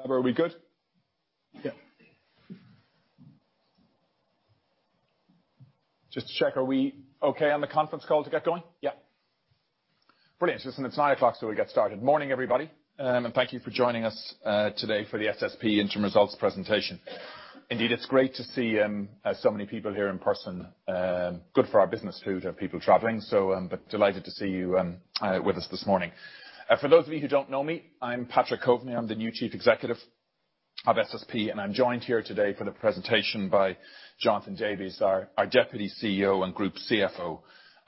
Sabra, are we good? Yeah. Just check are we okay on the conference call to get going? Yeah. Brilliant. It's just that it's 9:00 A.M., so we'll get started. Morning, everybody. Thank you for joining us today for the SSP Interim Results Presentation. Indeed, it's great to see so many people here in person. Good for our business too to have people traveling, so but delighted to see you with us this morning. For those of you who don't know me, I'm Patrick Coveney. I'm the new Chief Executive of SSP, and I'm joined here today for the presentation by Jonathan Davies, our deputy CEO and group CFO,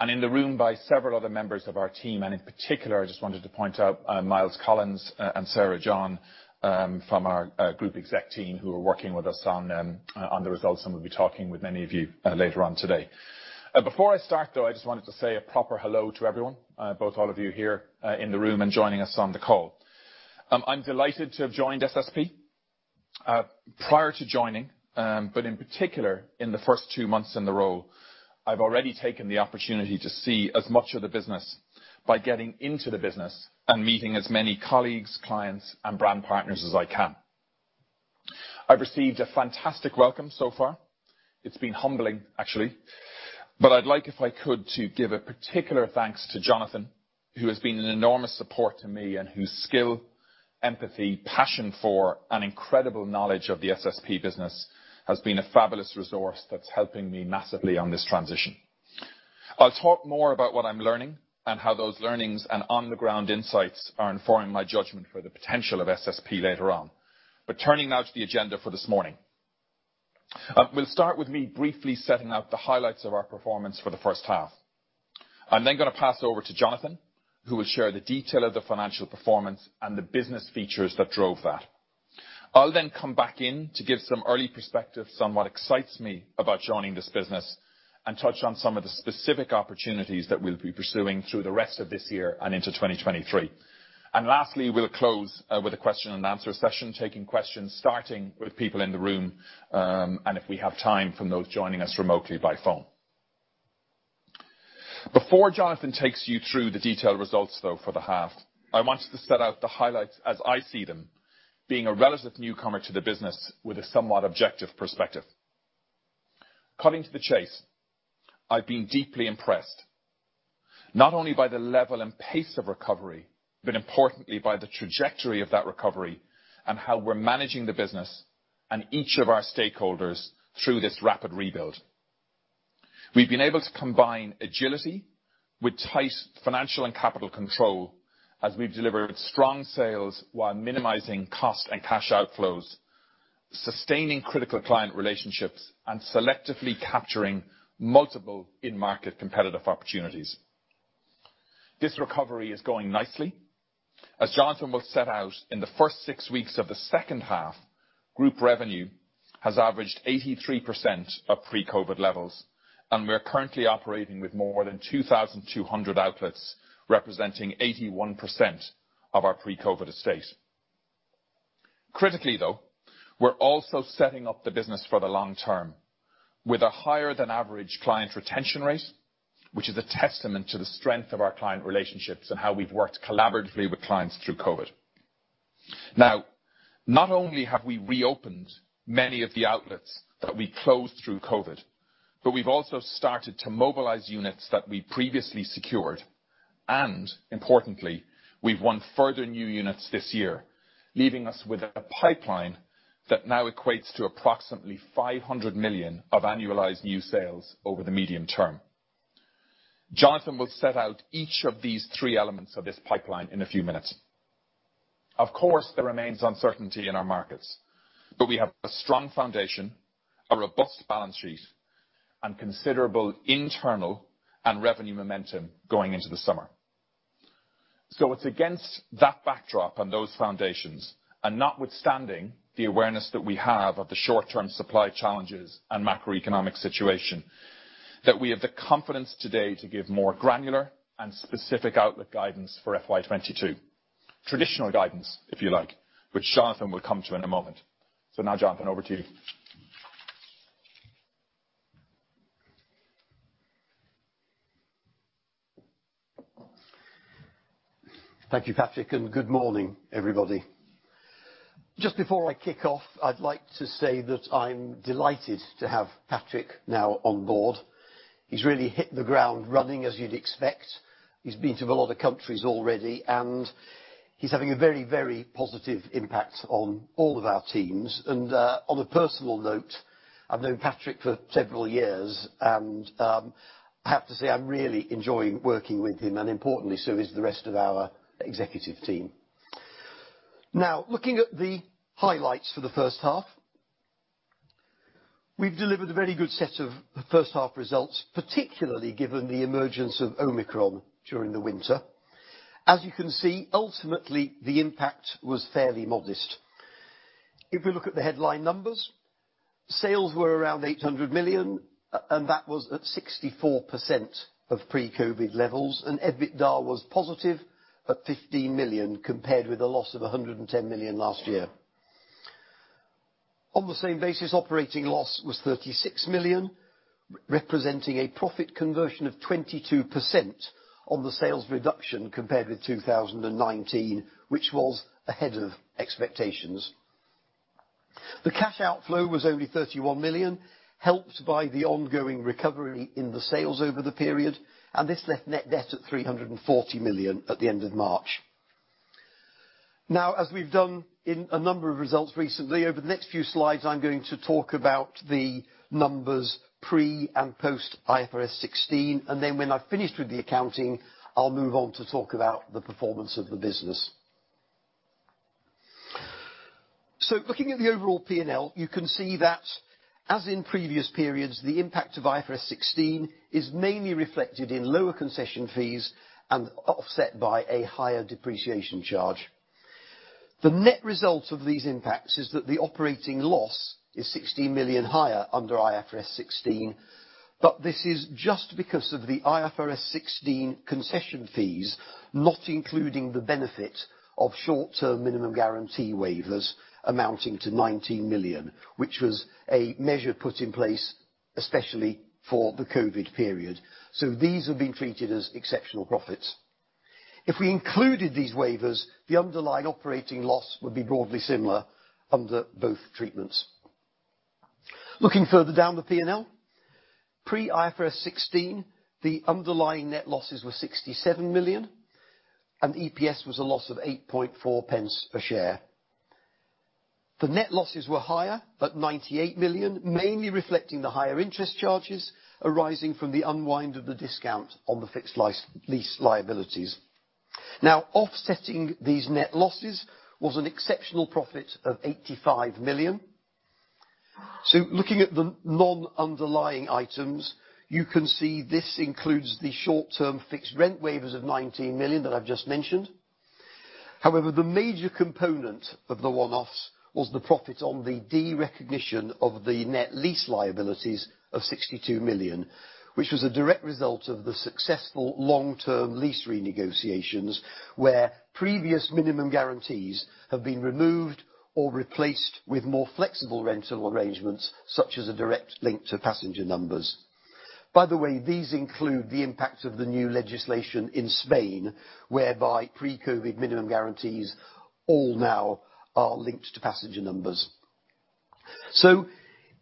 and in the room by several other members of our team, and in particular, I just wanted to point out Miles Collins and Sarah John from our group exec team who are working with us on the results, and will be talking with many of you later on today. Before I start, though, I just wanted to say a proper hello to everyone, both all of you here in the room and joining us on the call. I'm delighted to have joined SSP. Prior to joining, but in particular, in the first two months in the role, I've already taken the opportunity to see as much of the business by getting into the business and meeting as many colleagues, clients, and brand partners as I can. I've received a fantastic welcome so far. It's been humbling, actually. I'd like, if I could, to give a particular thanks to Jonathan, who has been an enormous support to me, and whose skill, empathy, passion for, and incredible knowledge of the SSP business has been a fabulous resource that's helping me massively on this transition. I'll talk more about what I'm learning and how those learnings and on-the-ground insights are informing my judgment for the potential of SSP later on. Turning now to the agenda for this morning. We'll start with me briefly setting out the highlights of our performance for the first half. I'm then gonna pass over to Jonathan, who will share the detail of the financial performance and the business features that drove that. I'll then come back in to give some early perspective on what excites me about joining this business and touch on some of the specific opportunities that we'll be pursuing through the rest of this year and into 2023. Lastly, we'll close with a question and answer session, taking questions, starting with people in the room, and if we have time, from those joining us remotely by phone. Before Jonathan takes you through the detailed results, though, for the half, I wanted to set out the highlights as I see them, being a relative newcomer to the business with a somewhat objective perspective. Cutting to the chase, I've been deeply impressed, not only by the level and pace of recovery, but importantly, by the trajectory of that recovery and how we're managing the business and each of our stakeholders through this rapid rebuild. We've been able to combine agility with tight financial and capital control as we've delivered strong sales while minimizing cost and cash outflows, sustaining critical client relationships, and selectively capturing multiple in-market competitive opportunities. This recovery is going nicely. As Jonathan will set out, in the first six weeks of the second half, group revenue has averaged 83% of pre-COVID levels, and we're currently operating with more than 2,200 outlets, representing 81% of our pre-COVID estate. Critically, though, we're also setting up the business for the long term with a higher than average client retention rate, which is a testament to the strength of our client relationships and how we've worked collaboratively with clients through COVID. Now, not only have we reopened many of the outlets that we closed through COVID, but we've also started to mobilize units that we previously secured, and importantly, we've won further new units this year, leaving us with a pipeline that now equates to approximately 500 million of annualized new sales over the medium term. Jonathan will set out each of these three elements of this pipeline in a few minutes. Of course, there remains uncertainty in our markets, but we have a strong foundation, a robust balance sheet, and considerable internal and revenue momentum going into the summer. It's against that backdrop and those foundations, and notwithstanding the awareness that we have of the short-term supply challenges and macroeconomic situation, that we have the confidence today to give more granular and specific outlet guidance for FY22. Traditional guidance, if you like, which Jonathan will come to in a moment. Now, Jonathan, over to you. Thank you, Patrick, and good morning, everybody. Just before I kick off, I'd like to say that I'm delighted to have Patrick now on board. He's really hit the ground running, as you'd expect. He's been to a lot of countries already, and he's having a very, very positive impact on all of our teams. On a personal note, I've known Patrick for several years, and I have to say, I'm really enjoying working with him, and importantly, so is the rest of our executive team. Now, looking at the highlights for the first half, we've delivered a very good set of first-half results, particularly given the emergence of Omicron during the winter. As you can see, ultimately, the impact was fairly modest. If we look at the headline numbers, sales were around 800 million, and that was at 64% of pre-COVID levels, and EBITDA was positive at 15 million, compared with a loss of 110 million last year. On the same basis, operating loss was 36 million, representing a profit conversion of 22% on the sales reduction compared with 2019, which was ahead of expectations. The cash outflow was only 31 million, helped by the ongoing recovery in the sales over the period, and this left net debt at 340 million at the end of March. Now, as we've done in a number of results recently, over the next few slides I'm going to talk about the numbers pre and post IFRS 16, and then when I've finished with the accounting, I'll move on to talk about the performance of the business. Looking at the overall P&L, you can see that as in previous periods, the impact of IFRS 16 is mainly reflected in lower concession fees and offset by a higher depreciation charge. The net result of these impacts is that the operating loss is 16 million higher under IFRS 16, but this is just because of the IFRS 16 concession fees, not including the benefit of short-term minimum guarantee waivers amounting to 19 million, which was a measure put in place especially for the COVID period. These have been treated as exceptional profits. If we included these waivers, the underlying operating loss would be broadly similar under both treatments. Looking further down the P&L, pre IFRS 16, the underlying net losses were 67 million, and EPS was a loss of 8.4 pence per share. The net losses were higher, at 98 million, mainly reflecting the higher interest charges arising from the unwind of the discount on the fixed lease liabilities. Now, offsetting these net losses was an exceptional profit of 85 million. Looking at the non-underlying items, you can see this includes the short-term fixed rent waivers of 19 million that I've just mentioned. However, the major component of the one-offs was the profit on the derecognition of the net lease liabilities of 62 million, which was a direct result of the successful long-term lease renegotiations, where previous minimum guarantees have been removed or replaced with more flexible rental arrangements, such as a direct link to passenger numbers. By the way, these include the impact of the new legislation in Spain, whereby pre-COVID minimum guarantees all now are linked to passenger numbers.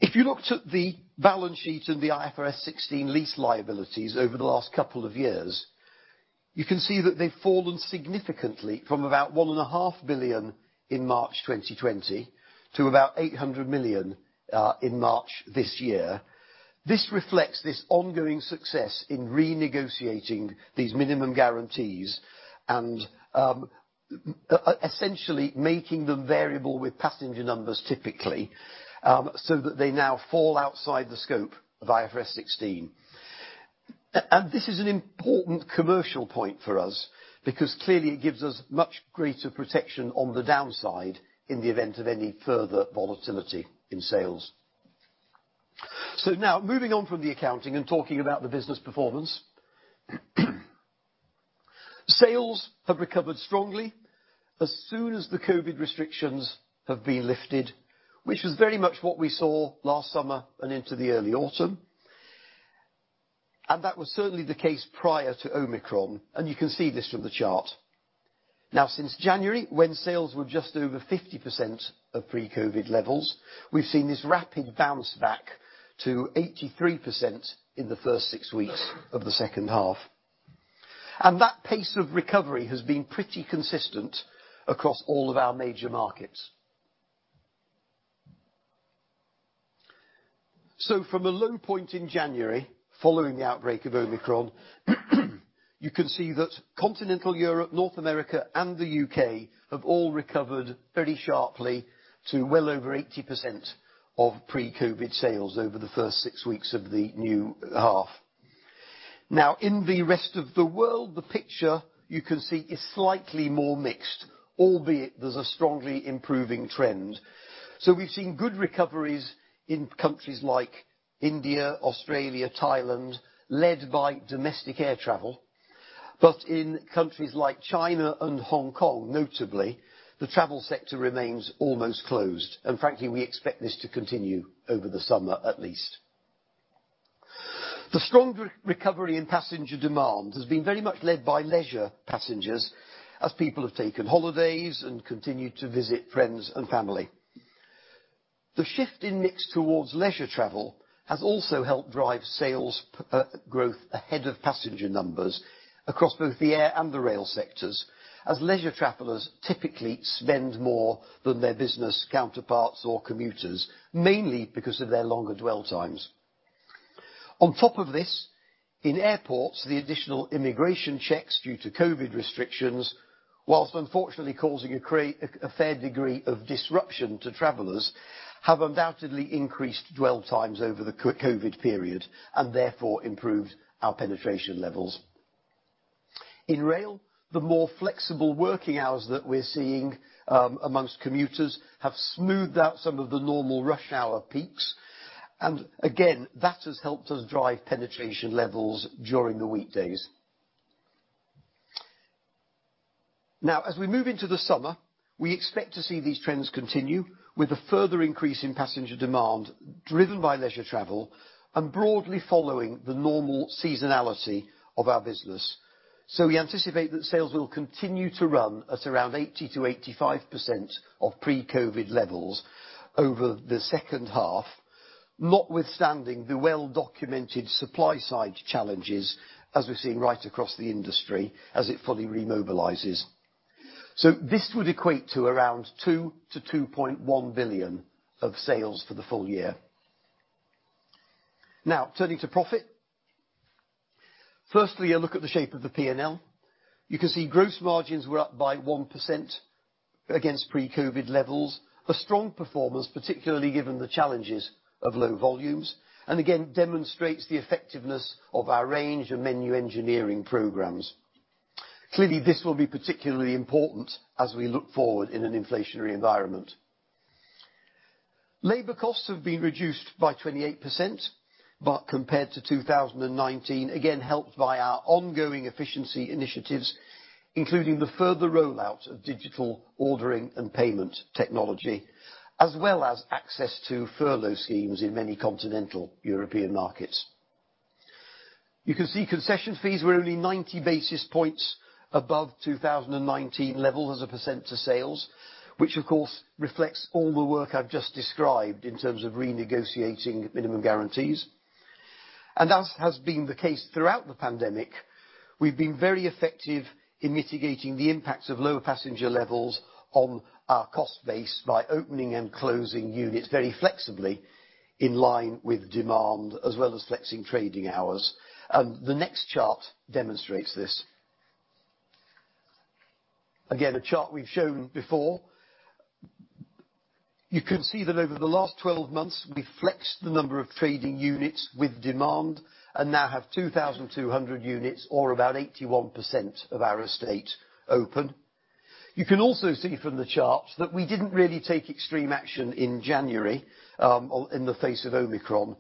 If you looked at the balance sheet and the IFRS 16 lease liabilities over the last couple of years, you can see that they've fallen significantly from about 1.5 billion in March 2020 to about 800 million in March this year. This reflects ongoing success in renegotiating these minimum guarantees and essentially making them variable with passenger numbers typically, so that they now fall outside the scope of IFRS 16. This is an important commercial point for us because clearly it gives us much greater protection on the downside in the event of any further volatility in sales. Now moving on from the accounting and talking about the business performance. Sales have recovered strongly as soon as the COVID restrictions have been lifted, which was very much what we saw last summer and into the early autumn, and that was certainly the case prior to Omicron, and you can see this from the chart. Now, since January, when sales were just over 50% of pre-COVID levels, we've seen this rapid bounce back to 83% in the first six weeks of the second half. That pace of recovery has been pretty consistent across all of our major markets. From a low point in January, following the outbreak of Omicron, you can see that Continental Europe, North America, and the UK have all recovered very sharply to well over 80% of pre-COVID sales over the first six weeks of the new half. In the rest of the world, the picture you can see is slightly more mixed, albeit there's a strongly improving trend. We've seen good recoveries in countries like India, Australia, Thailand, led by domestic air travel. In countries like China and Hong Kong, notably, the travel sector remains almost closed, and frankly, we expect this to continue over the summer at least. The strong recovery in passenger demand has been very much led by leisure passengers as people have taken holidays and continued to visit friends and family. The shift in mix towards leisure travel has also helped drive sales growth ahead of passenger numbers across both the air and the rail sectors, as leisure travelers typically spend more than their business counterparts or commuters, mainly because of their longer dwell times. On top of this, in airports, the additional immigration checks due to COVID restrictions, while unfortunately causing a fair degree of disruption to travelers, have undoubtedly increased dwell times over the COVID period and therefore improved our penetration levels. In rail, the more flexible working hours that we're seeing among commuters have smoothed out some of the normal rush hour peaks. Again, that has helped us drive penetration levels during the weekdays. Now, as we move into the summer, we expect to see these trends continue with a further increase in passenger demand, driven by leisure travel, and broadly following the normal seasonality of our business. We anticipate that sales will continue to run at around 80%-85% of pre-COVID levels over the second half, notwithstanding the well-documented supply side challenges as we're seeing right across the industry as it fully remobilizes. This would equate to around 2-2.1 billion of sales for the full year. Now, turning to profit. Firstly, a look at the shape of the P&L. You can see gross margins were up by 1% against pre-COVID levels. A strong performance, particularly given the challenges of low volumes, and again, demonstrates the effectiveness of our range of menu engineering programs. Clearly, this will be particularly important as we look forward in an inflationary environment. Labor costs have been reduced by 28%, but compared to 2019, again, helped by our ongoing efficiency initiatives, including the further rollout of digital ordering and payment technology, as well as access to furlough schemes in many continental European markets. You can see concession fees were only 90 basis points above 2019 levels as a percent to sales, which of course reflects all the work I've just described in terms of renegotiating minimum guarantees. As has been the case throughout the pandemic, we've been very effective in mitigating the impacts of lower passenger levels on our cost base by opening and closing units very flexibly in line with demand, as well as flexing trading hours. The next chart demonstrates this. Again, a chart we've shown before. You can see that over the last 12 months, we flexed the number of trading units with demand and now have 2,200 units or about 81% of our estate open. You can also see from the chart that we didn't really take extreme action in January or in the face of Omicron,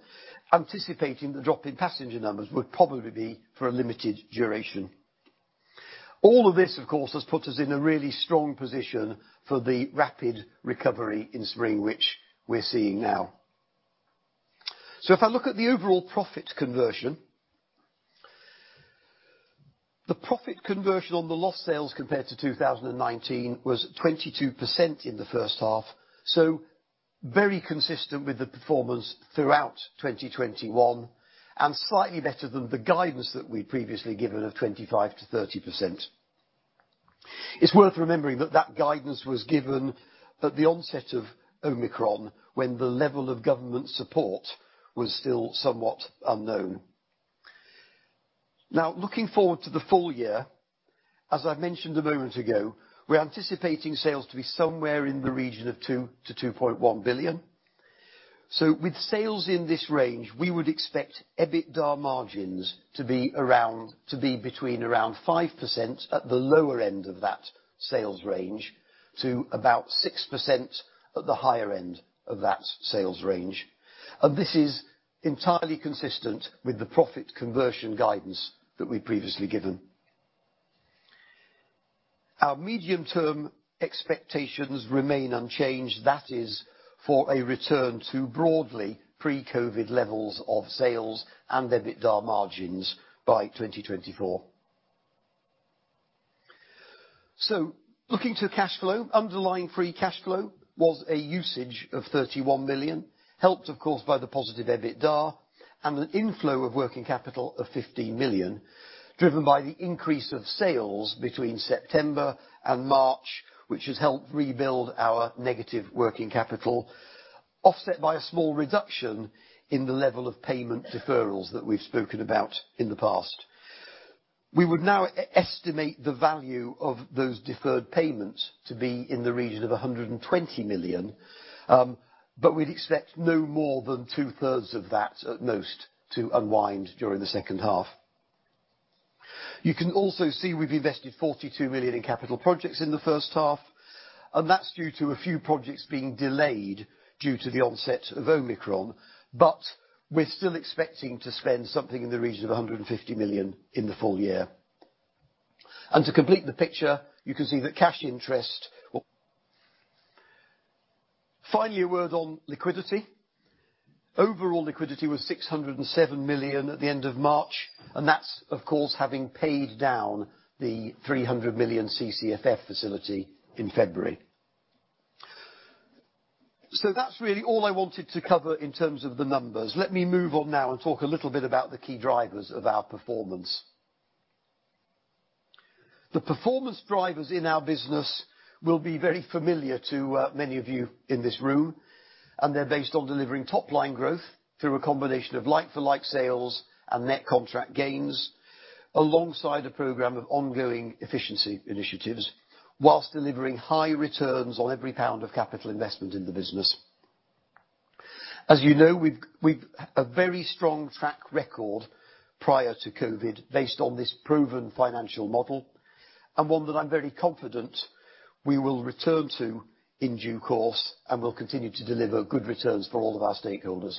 anticipating the drop in passenger numbers would probably be for a limited duration. All of this, of course, has put us in a really strong position for the rapid recovery in spring, which we're seeing now. If I look at the overall profit conversion. The profit conversion on the lost sales compared to 2019 was 22% in the first half, so very consistent with the performance throughout 2021, and slightly better than the guidance that we'd previously given of 25%-30%. It's worth remembering that guidance was given at the onset of Omicron, when the level of government support was still somewhat unknown. Now, looking forward to the full year, as I mentioned a moment ago, we're anticipating sales to be somewhere in the region of 2 billion-2.1 billion. With sales in this range, we would expect EBITDA margins to be between around 5% at the lower end of that sales range, to about 6% at the higher end of that sales range. This is entirely consistent with the profit conversion guidance that we'd previously given. Our medium-term expectations remain unchanged. That is for a return to broadly pre-COVID levels of sales and EBITDA margins by 2024. Looking to cash flow, underlying free cash flow was a usage of 31 million, helped of course by the positive EBITDA and an inflow of working capital of 15 million, driven by the increase of sales between September and March, which has helped rebuild our negative working capital, offset by a small reduction in the level of payment deferrals that we've spoken about in the past. We would now estimate the value of those deferred payments to be in the region of 120 million, but we'd expect no more than two-thirds of that at most to unwind during the second half. You can also see we've invested 42 million in capital projects in the first half, and that's due to a few projects being delayed due to the onset of Omicron, but we're still expecting to spend something in the region of 150 million in the full year. To complete the picture, you can see that cash interest. Finally, a word on liquidity. Overall liquidity was 607 million at the end of March, and that's of course, having paid down the 300 million CCFF facility in February. That's really all I wanted to cover in terms of the numbers. Let me move on now and talk a little bit about the key drivers of our performance. The performance drivers in our business will be very familiar to many of you in this room, and they're based on delivering top-line growth through a combination of like-for-like sales and net contract gains, alongside a program of ongoing efficiency initiatives while delivering high returns on every pound of capital investment in the business. As you know, we've a very strong track record prior to COVID based on this proven financial model and one that I'm very confident we will return to in due course and will continue to deliver good returns for all of our stakeholders.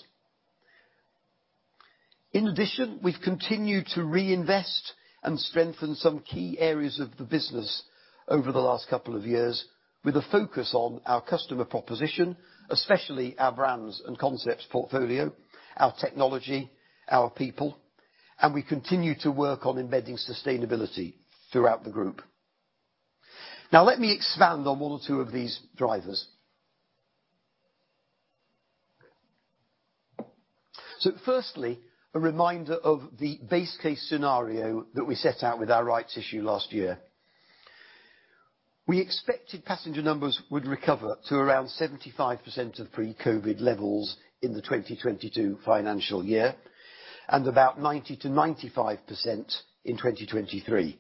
In addition, we've continued to reinvest and strengthen some key areas of the business over the last couple of years with a focus on our customer proposition, especially our brands and concepts portfolio, our technology, our people, and we continue to work on embedding sustainability throughout the group. Now let me expand on one or two of these drivers. Firstly, a reminder of the base case scenario that we set out with our rights issue last year. We expected passenger numbers would recover to around 75% of pre-COVID levels in the 2022 financial year and about 90%-95% in 2023.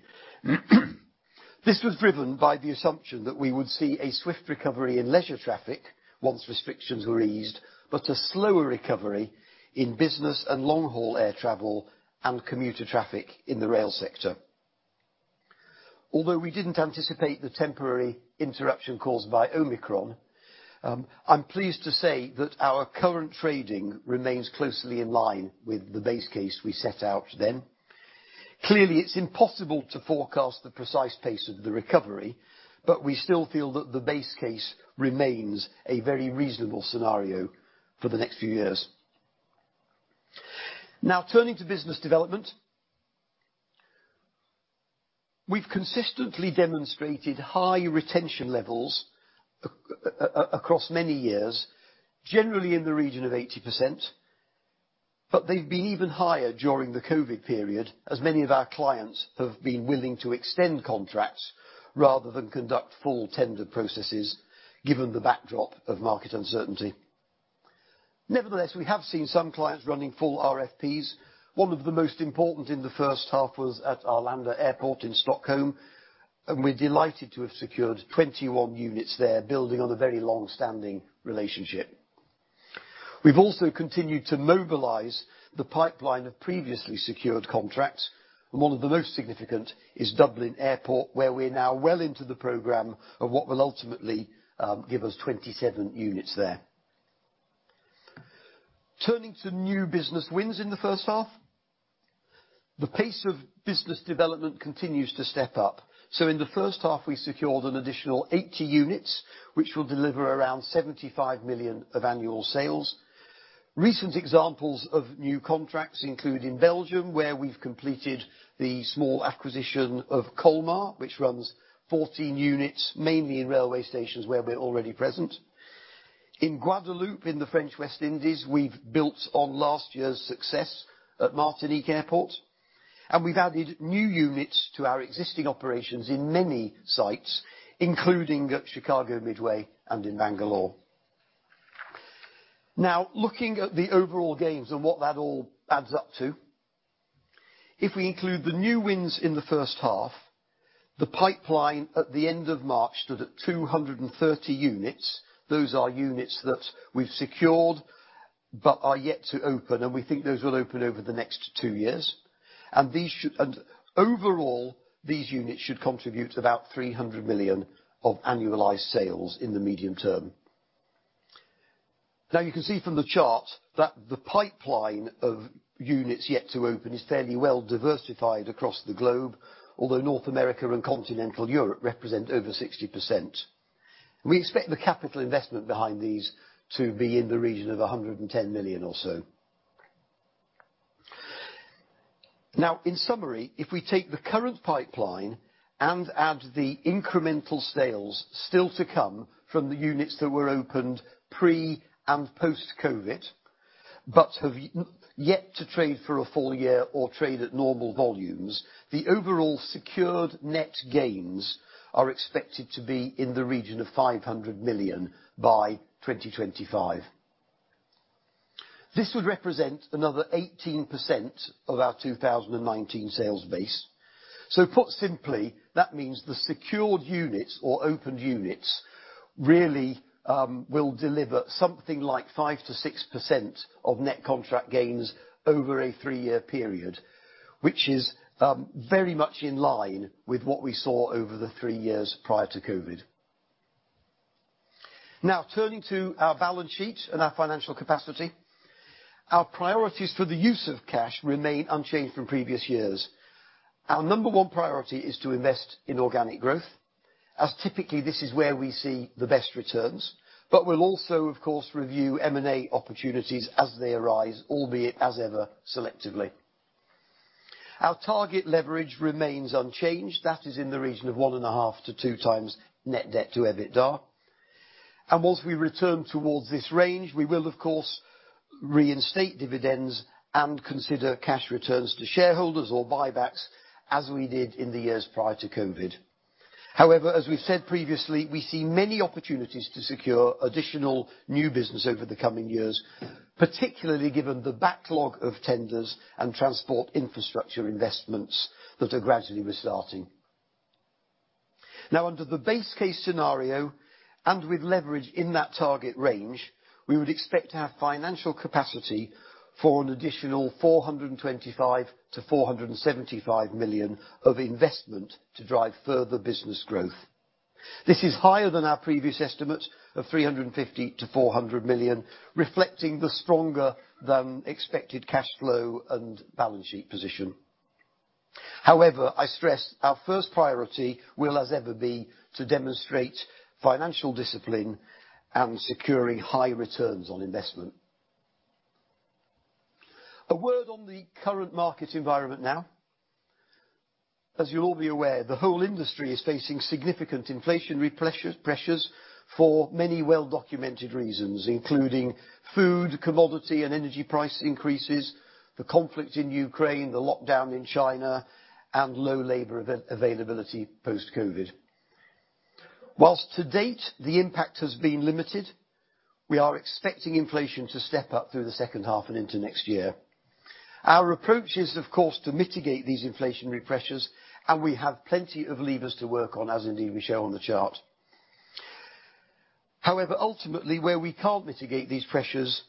This was driven by the assumption that we would see a swift recovery in leisure traffic once restrictions were eased, but a slower recovery in business and long-haul air travel and commuter traffic in the rail sector. Although we didn't anticipate the temporary interruption caused by Omicron, I'm pleased to say that our current trading remains closely in line with the base case we set out then. Clearly, it's impossible to forecast the precise pace of the recovery, but we still feel that the base case remains a very reasonable scenario for the next few years. Now turning to business development. We've consistently demonstrated high retention levels across many years, generally in the region of 80%, but they've been even higher during the COVID period as many of our clients have been willing to extend contracts rather than conduct full tender processes given the backdrop of market uncertainty. Nevertheless, we have seen some clients running full RFPs. One of the most important in the first half was at Arlanda Airport in Stockholm, and we're delighted to have secured 21 units there, building on a very long-standing relationship. We've also continued to mobilize the pipeline of previously secured contracts, and one of the most significant is Dublin Airport, where we're now well into the program of what will ultimately give us 27 units there. Turning to new business wins in the first half. The pace of business development continues to step up. In the first half, we secured an additional 80 units, which will deliver around 75 million of annual sales. Recent examples of new contracts include in Belgium, where we've completed the small acquisition of Kolmar, which runs 14 units, mainly in railway stations where we're already present. In Guadeloupe, in the French West Indies, we've built on last year's success at Martinique Airport, and we've added new units to our existing operations in many sites, including at Chicago Midway and in Bangalore. Now, looking at the overall gains and what that all adds up to. If we include the new wins in the first half, the pipeline at the end of March stood at 230 units. Those are units that we've secured but are yet to open, and we think those will open over the next two years. Overall, these units should contribute about 300 million of annualized sales in the medium term. Now you can see from the chart that the pipeline of units yet to open is fairly well diversified across the globe, although North America and Continental Europe represent over 60%. We expect the capital investment behind these to be in the region of 110 million or so. Now, in summary, if we take the current pipeline and add the incremental sales still to come from the units that were opened pre- and post-COVID, but have yet to trade for a full year or trade at normal volumes, the overall secured net gains are expected to be in the region of 500 million by 2025. This would represent another 18% of our 2019 sales base. Put simply, that means the secured units or opened units really will deliver something like 5%-6% of net contract gains over a three-year period, which is very much in line with what we saw over the three years prior to COVID. Now, turning to our balance sheet and our financial capacity. Our priorities for the use of cash remain unchanged from previous years. Our number one priority is to invest in organic growth, as typically this is where we see the best returns. We'll also, of course, review M&A opportunities as they arise, albeit as ever, selectively. Our target leverage remains unchanged. That is in the region of 1.5-2 times net debt to EBITDA. Once we return towards this range, we will of course, reinstate dividends and consider cash returns to shareholders or buybacks as we did in the years prior to COVID. However, as we've said previously, we see many opportunities to secure additional new business over the coming years, particularly given the backlog of tenders and transport infrastructure investments that are gradually restarting. Now under the base case scenario and with leverage in that target range, we would expect to have financial capacity for an additional 425-475 million of investment to drive further business growth. This is higher than our previous estimate of 350-400 million, reflecting the stronger than expected cash flow and balance sheet position. However, I stress our first priority will as ever be to demonstrate financial discipline and securing high returns on investment. A word on the current market environment now. As you'll all be aware, the whole industry is facing significant inflationary pressures for many well-documented reasons, including food, commodity, and energy price increases, the conflict in Ukraine, the lockdown in China, and low labor availability post-COVID. While to date the impact has been limited, we are expecting inflation to step up through the second half and into next year. Our approach is, of course, to mitigate these inflationary pressures, and we have plenty of levers to work on, as indeed we show on the chart. However, ultimately, where we can't mitigate these pressures,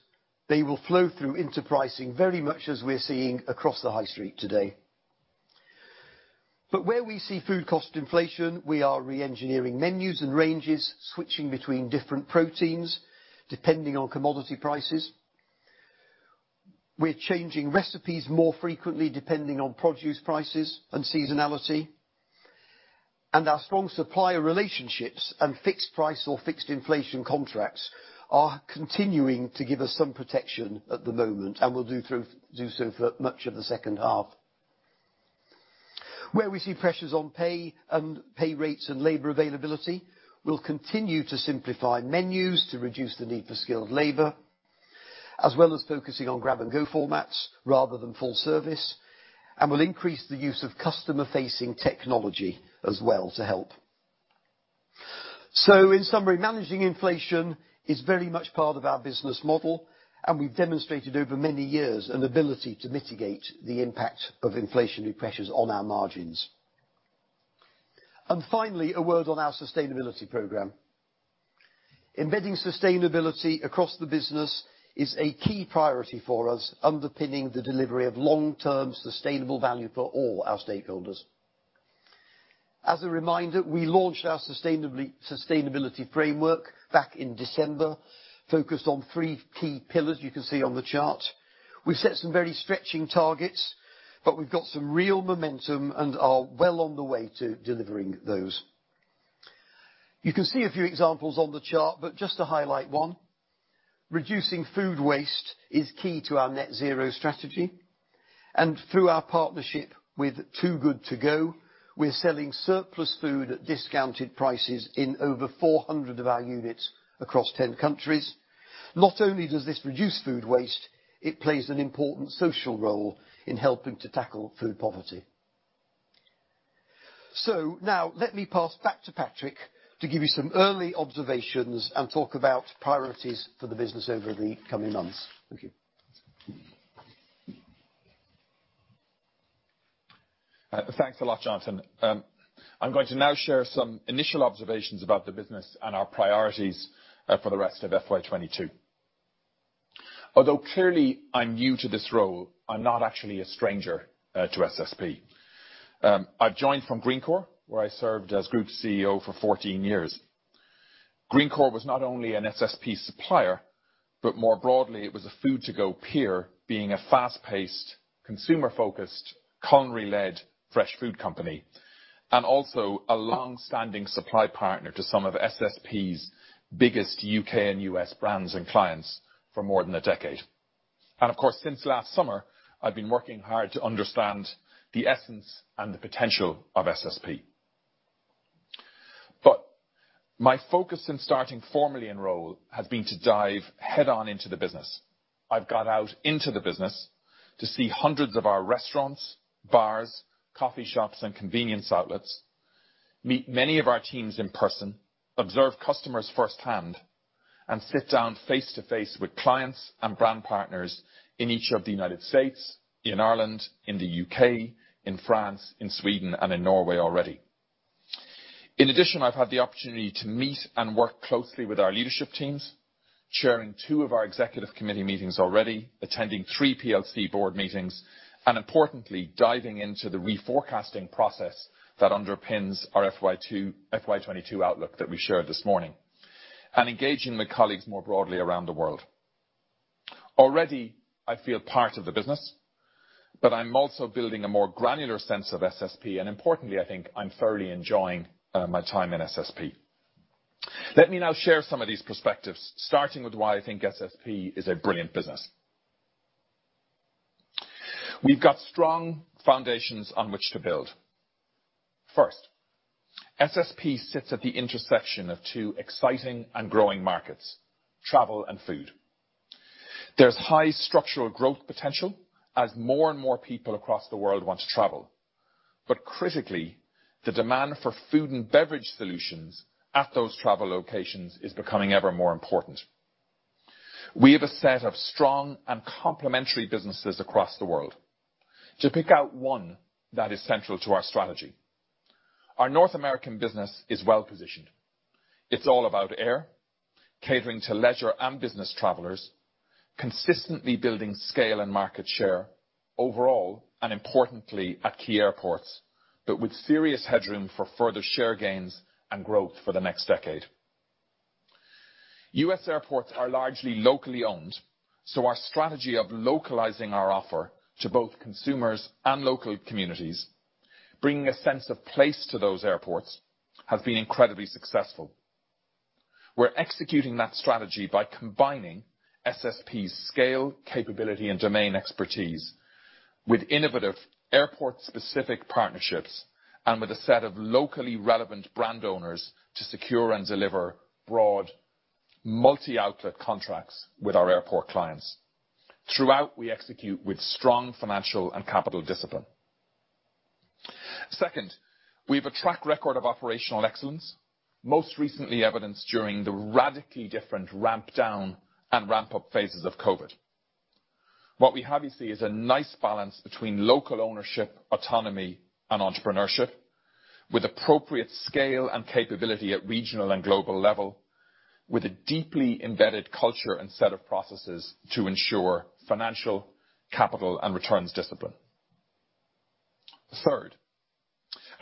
they will flow through into pricing, very much as we're seeing across the high street today. Where we see food cost inflation, we are re-engineering menus and ranges, switching between different proteins, depending on commodity prices. We're changing recipes more frequently, depending on produce prices and seasonality. Our strong supplier relationships and fixed price or fixed inflation contracts are continuing to give us some protection at the moment and will do so for much of the second half. Where we see pressures on pay and pay rates and labor availability, we'll continue to simplify menus to reduce the need for skilled labor, as well as focusing on grab-and-go formats rather than full service, and we'll increase the use of customer-facing technology as well to help. In summary, managing inflation is very much part of our business model, and we've demonstrated over many years an ability to mitigate the impact of inflationary pressures on our margins. Finally, a word on our sustainability program. Embedding sustainability across the business is a key priority for us, underpinning the delivery of long-term sustainable value for all our stakeholders. As a reminder, we launched our sustainability framework back in December, focused on three key pillars you can see on the chart. We've set some very stretching targets, but we've got some real momentum and are well on the way to delivering those. You can see a few examples on the chart, but just to highlight one, reducing food waste is key to our net zero strategy. Through our partnership with Too Good To Go, we're selling surplus food at discounted prices in over 400 of our units across 10 countries. Not only does this reduce food waste, it plays an important social role in helping to tackle food poverty. Now let me pass back to Patrick to give you some early observations and talk about priorities for the business over the coming months. Thank you. Thanks a lot, Jonathan. I'm going to now share some initial observations about the business and our priorities for the rest of FY22. Although clearly I'm new to this role, I'm not actually a stranger to SSP. I've joined from Greencore, where I served as Group CEO for fourteen years. Greencore was not only an SSP supplier, but more broadly, it was a food to go peer, being a fast-paced, consumer-focused, culinary-led fresh food company, and also a long-standing supply partner to some of SSP's biggest UK and US brands and clients for more than a decade. Of course, since last summer, I've been working hard to understand the essence and the potential of SSP. My focus in starting formally in role has been to dive head on into the business. I've got out into the business to see hundreds of our restaurants, bars, coffee shops, and convenience outlets, meet many of our teams in person, observe customers firsthand, and sit down face-to-face with clients and brand partners in each of the United States, in Ireland, in the U.K., in France, in Sweden, and in Norway already. In addition, I've had the opportunity to meet and work closely with our leadership teams, chairing 2 of our executive committee meetings already, attending 3 PLC board meetings, and importantly, diving into the reforecasting process that underpins our FY22 outlook that we shared this morning, and engaging with colleagues more broadly around the world. Already I feel part of the business, but I'm also building a more granular sense of SSP, and importantly, I think I'm thoroughly enjoying my time in SSP. Let me now share some of these perspectives, starting with why I think SSP is a brilliant business. We've got strong foundations on which to build. First, SSP sits at the intersection of two exciting and growing markets, travel and food. There's high structural growth potential as more and more people across the world want to travel. But critically, the demand for food and beverage solutions at those travel locations is becoming ever more important. We have a set of strong and complementary businesses across the world. To pick out one that is central to our strategy, our North American business is well positioned. It's all about air catering to leisure and business travelers, consistently building scale and market share overall, and importantly, at key airports, but with serious headroom for further share gains and growth for the next decade. U.S. airports are largely locally owned, so our strategy of localizing our offer to both consumers and local communities, bringing a sense of place to those airports, has been incredibly successful. We're executing that strategy by combining SSP's scale, capability, and domain expertise with innovative airport-specific partnerships and with a set of locally relevant brand owners to secure and deliver broad multi-outlet contracts with our airport clients. Throughout, we execute with strong financial and capital discipline. Second, we've a track record of operational excellence, most recently evidenced during the radically different ramp down and ramp up phases of COVID. What we have, you see, is a nice balance between local ownership, autonomy, and entrepreneurship with appropriate scale and capability at regional and global level, with a deeply embedded culture and set of processes to ensure financial, capital, and returns discipline. Third,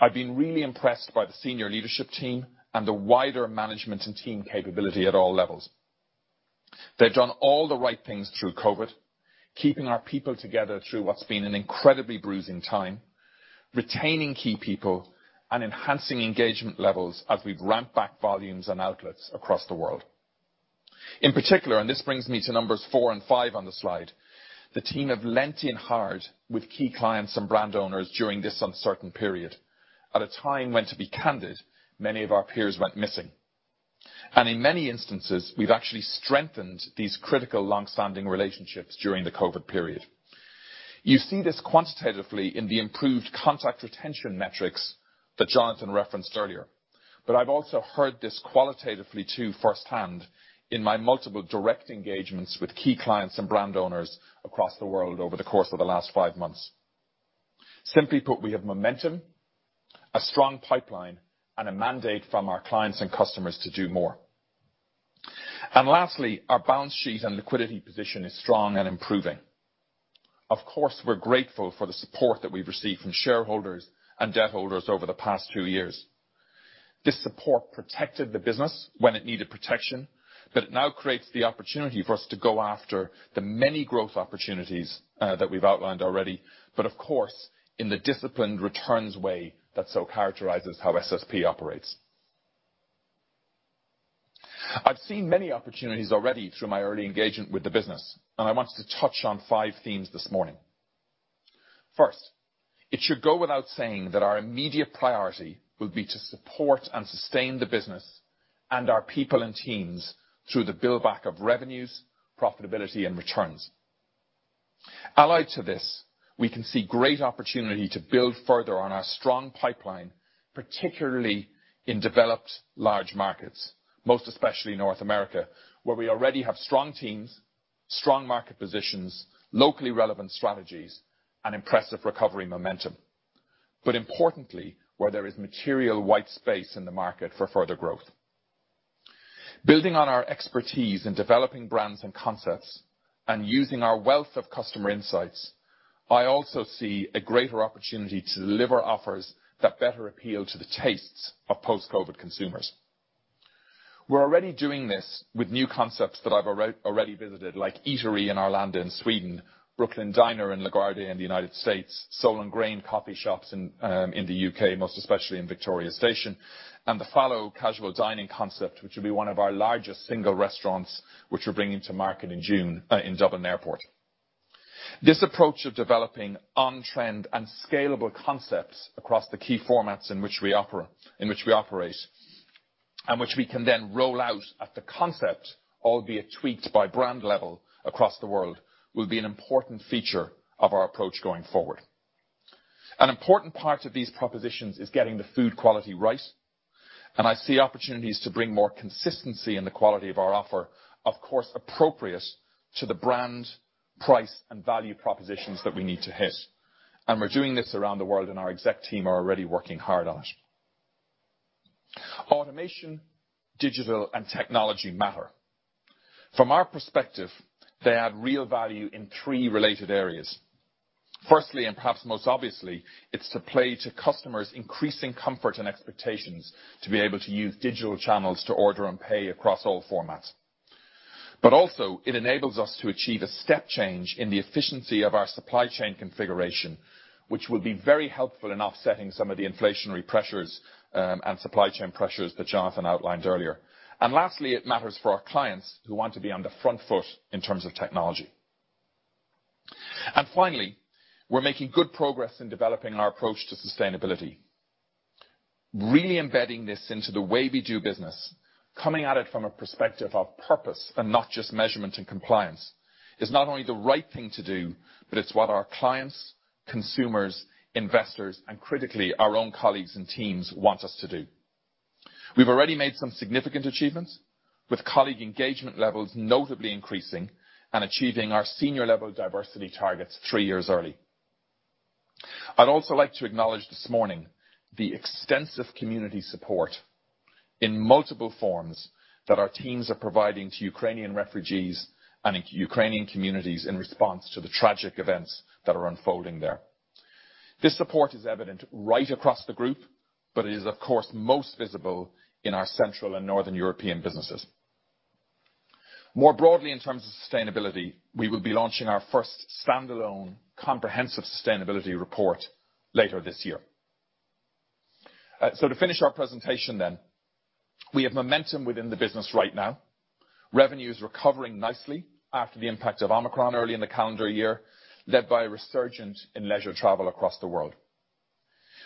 I've been really impressed by the senior leadership team and the wider management and team capability at all levels. They've done all the right things through COVID, keeping our people together through what's been an incredibly bruising time, retaining key people, and enhancing engagement levels as we've ramped back volumes and outlets across the world. In particular, and this brings me to numbers four and five on the slide, the team have leaned in hard with key clients and brand owners during this uncertain period, at a time when, to be candid, many of our peers went missing. In many instances, we've actually strengthened these critical long-standing relationships during the COVID period. You see this quantitatively in the improved contact retention metrics that Jonathan referenced earlier, but I've also heard this qualitatively, too, firsthand in my multiple direct engagements with key clients and brand owners across the world over the course of the last five months. Simply put, we have momentum, a strong pipeline, and a mandate from our clients and customers to do more. Lastly, our balance sheet and liquidity position is strong and improving. Of course, we're grateful for the support that we've received from shareholders and debt holders over the past two years. This support protected the business when it needed protection, but it now creates the opportunity for us to go after the many growth opportunities that we've outlined already, but of course, in the disciplined returns way that so characterizes how SSP operates. I've seen many opportunities already through my early engagement with the business, and I wanted to touch on five themes this morning. First, it should go without saying that our immediate priority will be to support and sustain the business and our people and teams through the build-back of revenues, profitability, and returns. Allied to this, we can see great opportunity to build further on our strong pipeline, particularly in developed large markets, most especially North America, where we already have strong teams, strong market positions, locally relevant strategies, and impressive recovery momentum, but importantly, where there is material white space in the market for further growth. Building on our expertise in developing brands and concepts and using our wealth of customer insights, I also see a greater opportunity to deliver offers that better appeal to the tastes of post-COVID consumers. We're already doing this with new concepts that I've already visited, like Eatery in Arlanda in Sweden, Brooklyn Diner in LaGuardia in the United States, Soul + Grain coffee shops in the UK, most especially in Victoria Station, and the Fallow casual dining concept, which will be one of our largest single restaurants, which we're bringing to market in June, in Dublin Airport. This approach of developing on-trend and scalable concepts across the key formats in which we operate, and which we can then roll out at the concept, albeit tweaked by brand level across the world, will be an important feature of our approach going forward. An important part of these propositions is getting the food quality right, and I see opportunities to bring more consistency in the quality of our offer, of course, appropriate to the brand, price, and value propositions that we need to hit. We're doing this around the world, and our exec team are already working hard on it. Automation, digital, and technology matter. From our perspective, they add real value in three related areas. Firstly, and perhaps most obviously, it's to play to customers' increasing comfort and expectations to be able to use digital channels to order and pay across all formats. Also, it enables us to achieve a step change in the efficiency of our supply chain configuration, which will be very helpful in offsetting some of the inflationary pressures, and supply chain pressures that Jonathan outlined earlier. Lastly, it matters for our clients who want to be on the front foot in terms of technology. Finally, we're making good progress in developing our approach to sustainability. Really embedding this into the way we do business, coming at it from a perspective of purpose and not just measurement and compliance, is not only the right thing to do, but it's what our clients, consumers, investors, and critically, our own colleagues and teams want us to do. We've already made some significant achievements with colleague engagement levels notably increasing and achieving our senior level diversity targets three years early. I'd also like to acknowledge this morning the extensive community support in multiple forms that our teams are providing to Ukrainian refugees and Ukrainian communities in response to the tragic events that are unfolding there. This support is evident right across the group, but it is of course most visible in our central and northern European businesses. More broadly, in terms of sustainability, we will be launching our first standalone comprehensive sustainability report later this year. To finish our presentation then, we have momentum within the business right now. Revenue is recovering nicely after the impact of Omicron early in the calendar year, led by a resurgence in leisure travel across the world.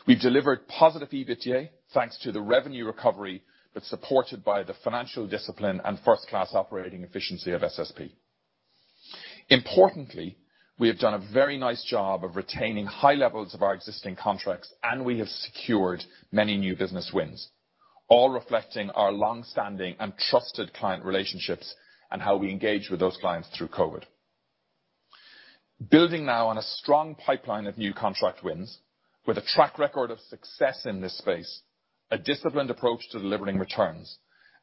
We've delivered positive EBITDA thanks to the revenue recovery, but supported by the financial discipline and first-class operating efficiency of SSP. Importantly, we have done a very nice job of retaining high levels of our existing contracts, and we have secured many new business wins, all reflecting our long-standing and trusted client relationships and how we engage with those clients through COVID. Building now on a strong pipeline of new contract wins with a track record of success in this space, a disciplined approach to delivering returns,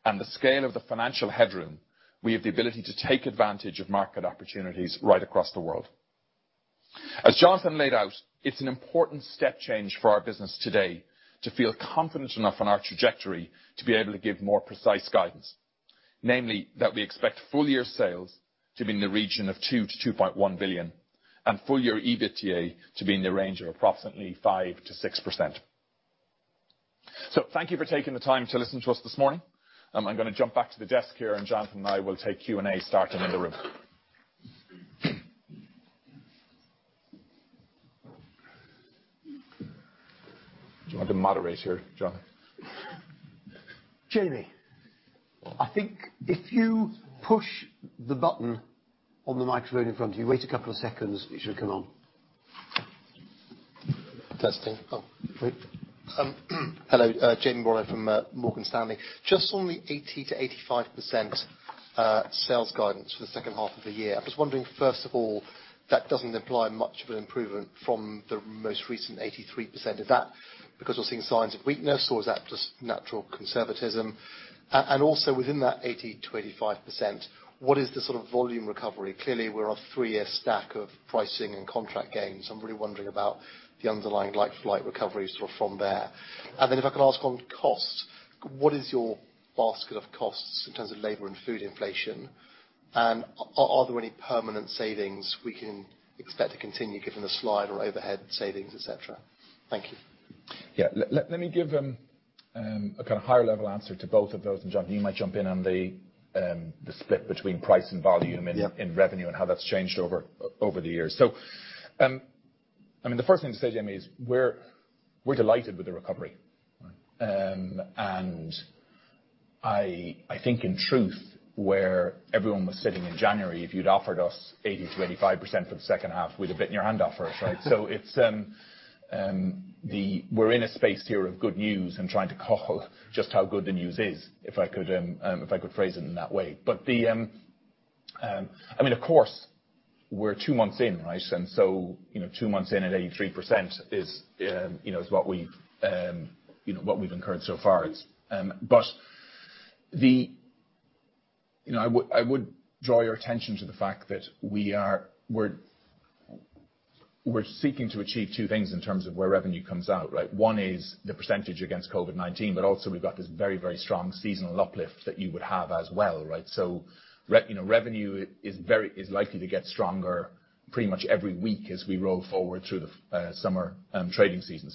and the scale of the financial headroom, we have the ability to take advantage of market opportunities right across the world. As Jonathan laid out, it's an important step change for our business today to feel confident enough in our trajectory to be able to give more precise guidance. Namely, that we expect full-year sales to be in the region of 2 billion-2.1 billion, and full-year EBITDA to be in the range of approximately 5%-6%. Thank you for taking the time to listen to us this morning. I'm gonna jump back to the desk here, and Jonathan and I will take Q&A starting in the room. Do you want to moderate here, John? Jamie, I think if you push the button on the microphone in front of you, wait a couple of seconds, it should come on. Testing. Oh, great. Hello, Jamie Rollo from Morgan Stanley. Just on the 80%-85% sales guidance for the second half of the year, I was wondering, first of all, that doesn't imply much of an improvement from the most recent 83%. Is that because we're seeing signs of weakness, or is that just natural conservatism? Also within that 80%-85%, what is the sort of volume recovery? Clearly, we're a three-year stack of pricing and contract gains. I'm really wondering about the underlying like-for-like recovery sort of from there. If I could ask on costs, what is your basket of costs in terms of labor and food inflation? Are there any permanent savings we can expect to continue given the slide or overhead savings, et cetera? Thank you. Yeah. Let me give a kind of higher level answer to both of those. Jonathan, you might jump in on the split between price and volume. Yeah revenue and how that's changed over the years. The first thing to say, Jamie, is we're delighted with the recovery. I think in truth, where everyone was sitting in January, if you'd offered us 80%-85% for the second half, we'd have bit your hand off, right? We're in a space here of good news and trying to call just how good the news is, if I could phrase it in that way. I mean, of course, we're two months in, right? You know, two months in at 83% is what we've incurred so far. You know, I would draw your attention to the fact that we are seeking to achieve two things in terms of where revenue comes out, right? One is the percentage against COVID-19, but also we've got this very, very strong seasonal uplift that you would have as well, right? Revenue is likely to get stronger pretty much every week as we roll forward through the summer trading season.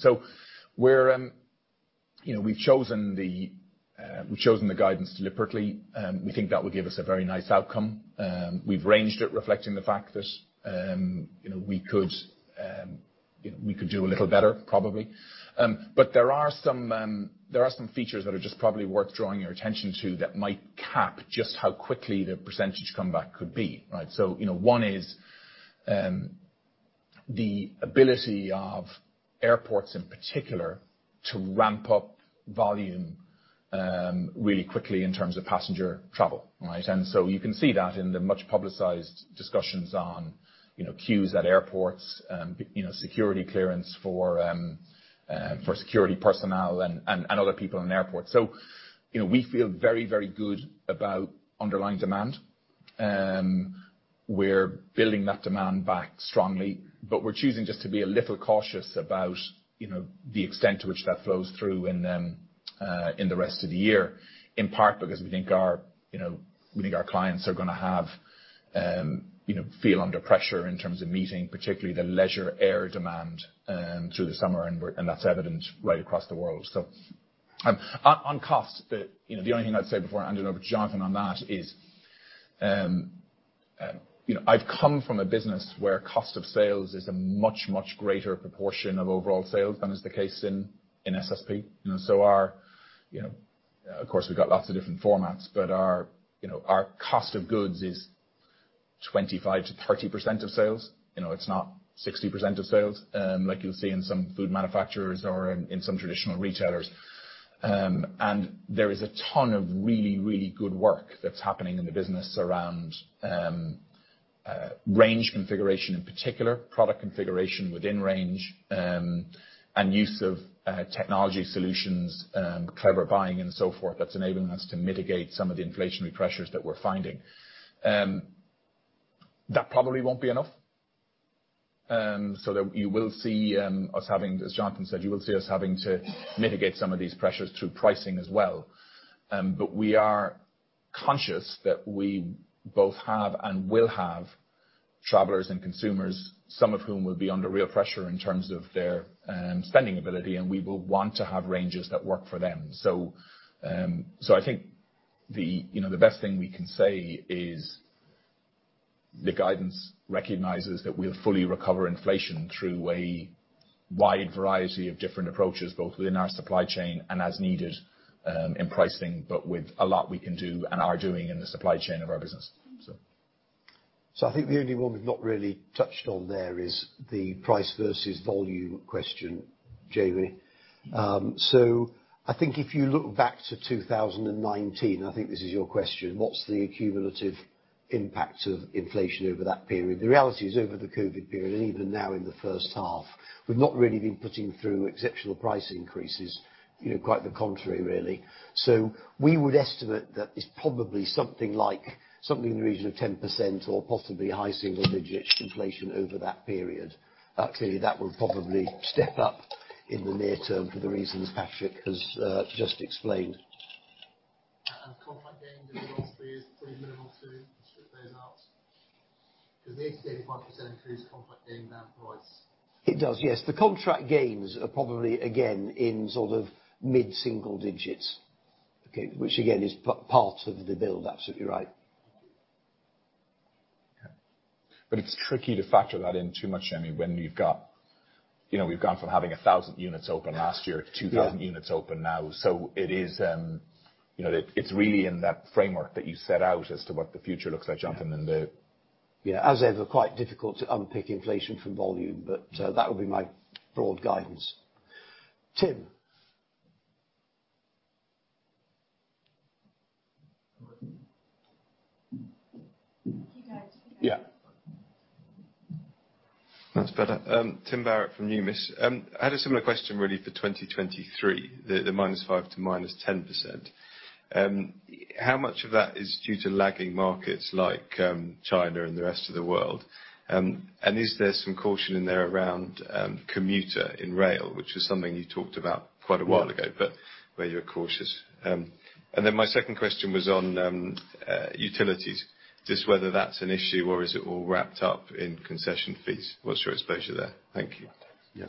We're, you know, we've chosen the guidance deliberately, we think that will give us a very nice outcome. We've ranged it reflecting the fact that, you know, we could do a little better probably. There are some features that are just probably worth drawing your attention to that might cap just how quickly the percentage comeback could be, right? You know, one is the ability of airports in particular to ramp up volume really quickly in terms of passenger travel, right? You can see that in the much-publicized discussions on, you know, queues at airports, you know, security clearance for security personnel and other people in airports. You know, we feel very, very good about underlying demand. We're building that demand back strongly, but we're choosing just to be a little cautious about, you know, the extent to which that flows through in the rest of the year, in part because we think our clients are gonna have, you know, feel under pressure in terms of meeting, particularly the leisure air demand, through the summer, and that's evident right across the world. On cost, you know, the only thing I'd say before handing over to Jonathan on that is, you know, I've come from a business where cost of sales is a much, much greater proportion of overall sales than is the case in SSP. You know, so our, you know... Of course, we've got lots of different formats, but our, you know, our cost of goods is 25%-30% of sales. You know, it's not 60% of sales, like you'll see in some food manufacturers or in some traditional retailers. And there is a ton of really good work that's happening in the business around range configuration in particular, product configuration within range, and use of technology solutions, clever buying and so forth, that's enabling us to mitigate some of the inflationary pressures that we're finding. That probably won't be enough. As Jonathan said, you will see us having to mitigate some of these pressures through pricing as well. We are conscious that we both have and will have travelers and consumers, some of whom will be under real pressure in terms of their spending ability, and we will want to have ranges that work for them. I think the, you know, the best thing we can say is the guidance recognizes that we'll fully recover inflation through a wide variety of different approaches, both within our supply chain and as needed in pricing, but with a lot we can do and are doing in the supply chain of our business. I think the only one we've not really touched on there is the price versus volume question, Jamie. I think if you look back to 2019, I think this is your question, what's the cumulative impact of inflation over that period? The reality is over the COVID period, and even now in the first half, we've not really been putting through exceptional price increases. You know, quite the contrary, really. We would estimate that it's probably something like, something in the region of 10% or possibly high single-digit inflation over that period. Clearly, that will probably step up in the near term for the reasons Patrick has just explained. Contract gain over the last 3 years, 3 minimum to strip those out. Cause the 85% increase contract gain down price. It does, yes. The contract gains are probably again in sort of mid-single digits. Okay? Which again, is part of the build, absolutely right. Yeah. It's tricky to factor that in too much, Jamie, when you've got. You know, we've gone from having 1,000 units open last year. Yeah... to 2,000 units open now. It is, you know, it's really in that framework that you set out as to what the future looks like, Jonathan, and the Yeah. As ever, quite difficult to unpick inflation from volume, but, that would be my broad guidance. Tim? Can you guys move up? Yeah. Much better. Tim Barrett from Numis. I had a similar question really for 2023, the -5%-10%. How much of that is due to lagging markets like China and the rest of the world? Is there some caution in there around commuter rail, which is something you talked about quite a while ago? Yeah where you're cautious. My second question was on utilities. Just whether that's an issue or is it all wrapped up in concession fees? What's your exposure there? Thank you.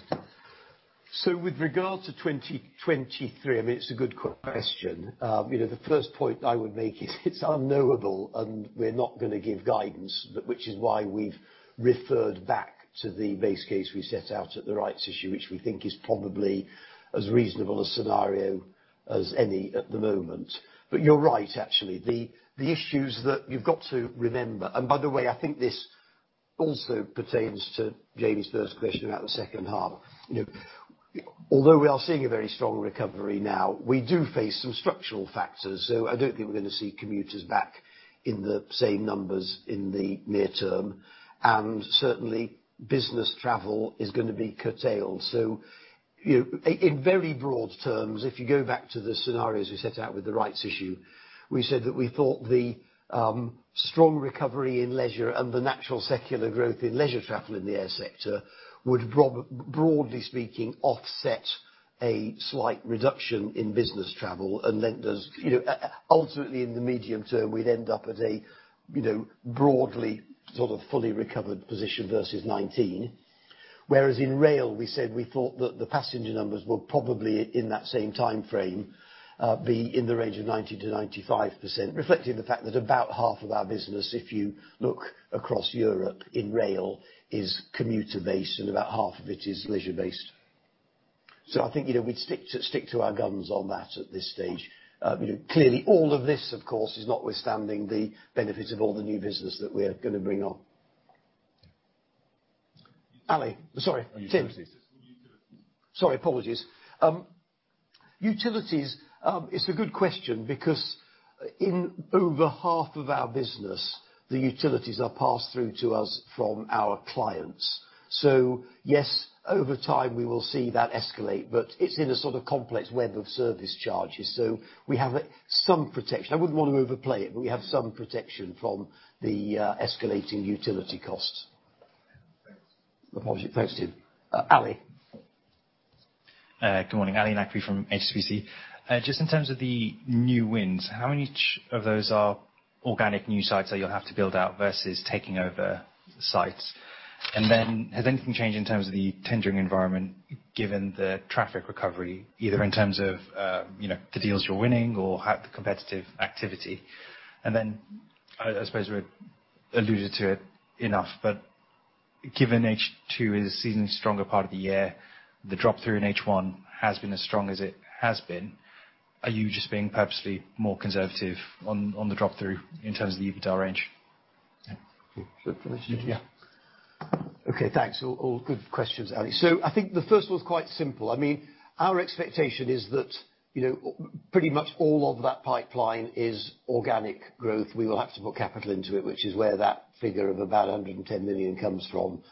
Yeah. With regards to 2023, I mean, it's a good question. You know, the first point I would make is it's unknowable, and we're not gonna give guidance, but which is why we've referred back to the base case we set out at the rights issue, which we think is probably as reasonable a scenario as any at the moment. You're right, actually. The issues that you've got to remember. By the way, I think this also pertains to Jamie's first question about the second half. You know, although we are seeing a very strong recovery now, we do face some structural factors. I don't think we're gonna see commuters back in the same numbers in the near term. And certainly, business travel is gonna be curtailed. You know, in very broad terms, if you go back to the scenarios we set out with the rights issue, we said that we thought the strong recovery in leisure and the natural secular growth in leisure travel in the air sector would broadly speaking offset a slight reduction in business travel, and then you know ultimately in the medium term, we'd end up at a you know broadly sort of fully recovered position versus 2019. Whereas in rail, we said we thought that the passenger numbers were probably in that same timeframe be in the range of 90%-95%, reflecting the fact that about half of our business, if you look across Europe in rail, is commuter-based and about half of it is leisure-based. I think, you know, we'd stick to our guns on that at this stage. You know, clearly all of this, of course, is notwithstanding the benefit of all the new business that we're gonna bring on. Ali. Sorry, Tim. Utilities. Sorry, apologies. Utilities, it's a good question because in over half of our business, the utilities are passed through to us from our clients. Yes, over time, we will see that escalate, but it's in a sort of complex web of service charges. We have some protection. I wouldn't wanna overplay it, but we have some protection from the escalating utility costs. Thanks. Apologies. Thanks, Tim. Ali? Good morning. Ali Naqvi from HSBC. Just in terms of the new wins, how many each of those are organic new sites that you'll have to build out versus taking over sites? Has anything changed in terms of the tendering environment, given the traffic recovery, either in terms of, you know, the deals you're winning or how the competitive activity? I suppose we've alluded to it enough, but given H2 is the seasonally stronger part of the year, the drop-through in H1 has been as strong as it has been, are you just being purposely more conservative on the drop-through in terms of the EBITDA range? Okay, thanks. All good questions, Ali. I think the first one's quite simple. I mean, our expectation is that, you know, pretty much all of that pipeline is organic growth. We will have to put capital into it, which is where that figure of about 110 million comes from.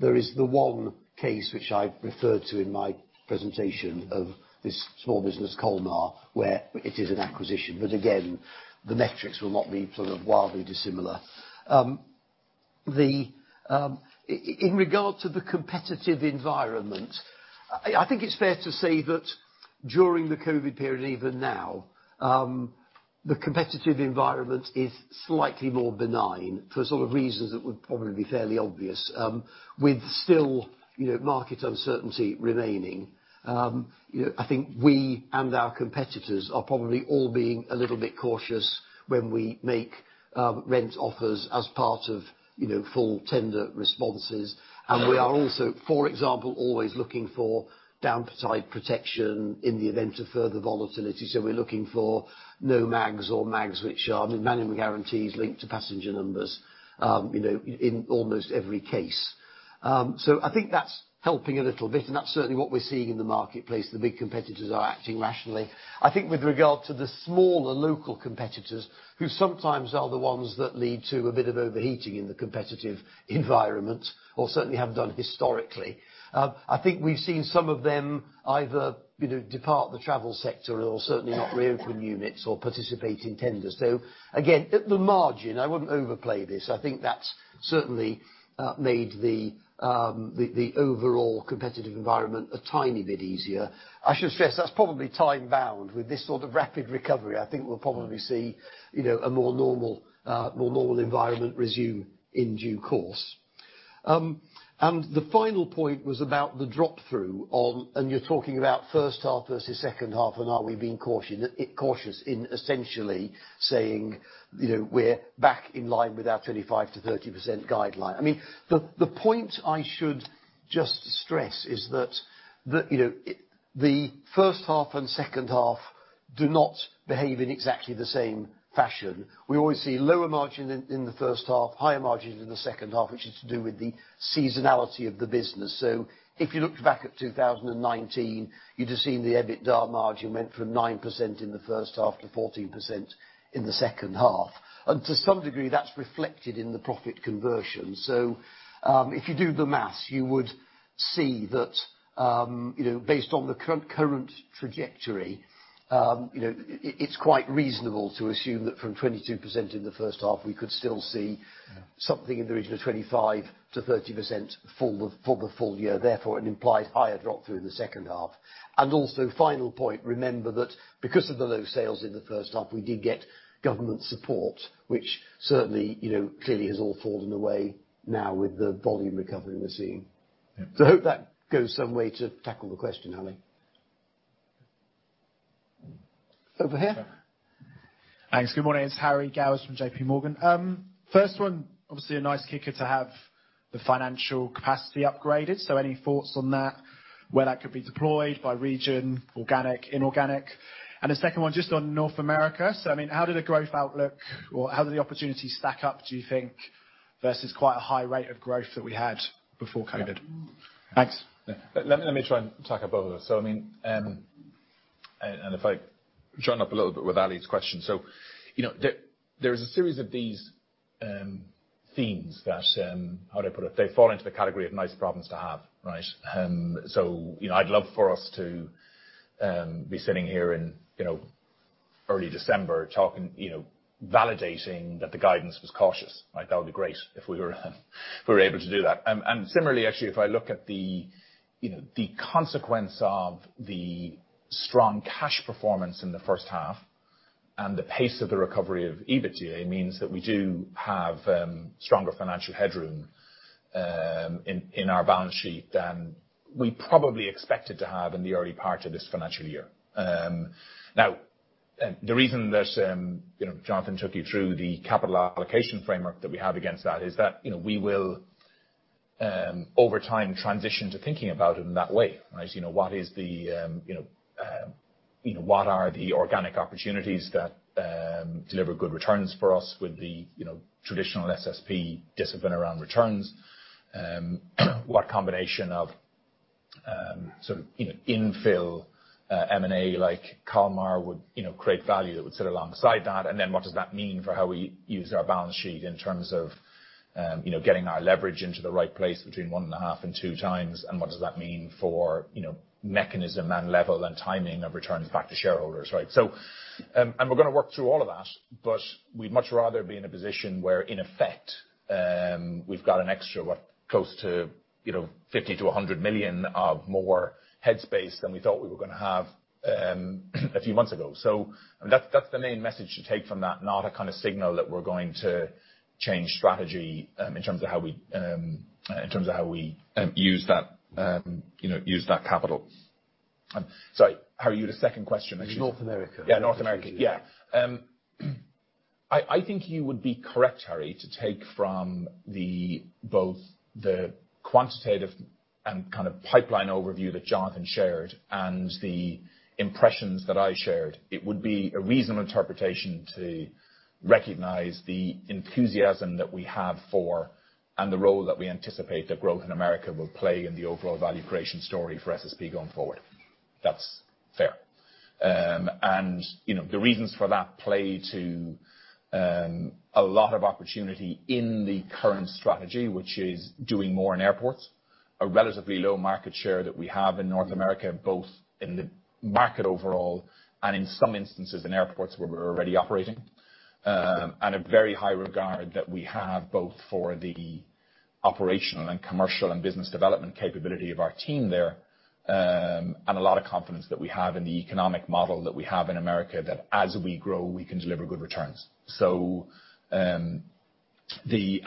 There is the one case which I referred to in my presentation of this small business, Kolmar, where it is an acquisition. Again, the metrics will not be sort of wildly dissimilar. In regard to the competitive environment, I think it's fair to say that during the COVID period, even now, the competitive environment is slightly more benign for sort of reasons that would probably be fairly obvious. With still, you know, market uncertainty remaining, you know, I think we and our competitors are probably all being a little bit cautious when we make, rent offers as part of, you know, full tender responses. We are also, for example, always looking for downside protection in the event of further volatility, so we're looking for no MAGs or MAGs which are, I mean, minimum annual guarantee is linked to passenger numbers, you know, in almost every case. So I think that's helping a little bit, and that's certainly what we're seeing in the marketplace. The big competitors are acting rationally. I think with regard to the smaller local competitors, who sometimes are the ones that lead to a bit of overheating in the competitive environment, or certainly have done historically. I think we've seen some of them either, you know, depart the travel sector or certainly not reopen units or participate in tenders. Again, at the margin, I wouldn't overplay this. I think that's certainly made the overall competitive environment a tiny bit easier. I should stress, that's probably time-bound. With this sort of rapid recovery, I think we'll probably see, you know, a more normal environment resume in due course. The final point was about the drop-through on. You're talking about first half versus second half, and are we being cautious in essentially saying, you know, we're back in line with our 25%-30% guideline. I mean, the point I should just stress is that the, you know, the first half and second half do not behave in exactly the same fashion. We always see lower margin in the first half, higher margins in the second half, which is to do with the seasonality of the business. If you looked back at 2019, you'd have seen the EBITDA margin went from 9% in the first half to 14% in the second half. To some degree, that's reflected in the profit conversion. If you do the math, you would see that, you know, based on the current trajectory, you know, it's quite reasonable to assume that from 22% in the first half, we could still see something in the region of 25%-30% for the full year, therefore an implied higher drop through the second half. Final point, remember that because of the low sales in the first half, we did get government support, which certainly, you know, clearly has all fallen away now with the volume recovery we're seeing. Yeah. I hope that goes some way to tackle the question, Ali. Over here. Thanks. Good morning. It's Harry Gowers from JPMorgan. First one, obviously a nice kicker to have the financial capacity upgraded. Any thoughts on that, where that could be deployed by region, organic, inorganic? The second one, just on North America. I mean, how did the growth outlook or how did the opportunity stack up, do you think, versus quite a high rate of growth that we had before COVID? Yeah. Thanks. Let me try and tackle both of those. I mean, and if I join up a little bit with Ali's question. You know, there is a series of these themes that. How do I put it? They fall into the category of nice problems to have, right? You know, I'd love for us to be sitting here in, you know, early December talking, you know, validating that the guidance was cautious. Like, that would be great if we were able to do that. Similarly, actually, if I look at the, you know, the consequence of the strong cash performance in the first half and the pace of the recovery of EBITDA means that we do have stronger financial headroom in our balance sheet than we probably expected to have in the early part of this financial year. Now, the reason that, you know, Jonathan took you through the capital allocation framework that we have against that is that, you know, we will over time transition to thinking about it in that way, right? You know, what is the, you know, what are the organic opportunities that deliver good returns for us with the, you know, traditional SSP discipline around returns? What combination of sort of, you know, infill, M&A, like Kolmar would, you know, create value that would sit alongside that? Then what does that mean for how we use our balance sheet in terms of, you know, getting our leverage into the right place between 1.5x and 2x? What does that mean for, you know, mechanism and level and timing of returns back to shareholders, right? We're gonna work through all of that, but we'd much rather be in a position where, in effect, we've got an extra, what, close to, you know, 50 million-100 million of more headspace than we thought we were gonna have, a few months ago. That's the main message to take from that. Not a kind of signal that we're going to change strategy in terms of how we use that capital, you know. Sorry, Harry, you had a second question actually. North America. Yeah, North America. Yeah. I think you would be correct, Harry, to take from both the quantitative and kind of pipeline overview that Jonathan shared and the impressions that I shared. It would be a reasonable interpretation to recognize the enthusiasm that we have for and the role that we anticipate that growth in America will play in the overall value creation story for SSP going forward. That's fair. You know, the reasons for that play to a lot of opportunity in the current strategy, which is doing more in airports. A relatively low market share that we have in North America, both in the market overall and in some instances in airports where we're already operating. A very high regard that we have both for the operational and commercial and business development capability of our team there. A lot of confidence that we have in the economic model that we have in America, that as we grow, we can deliver good returns. You